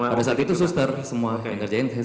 pada saat itu suster semua yang ngerjain